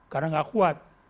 karena tidak kuat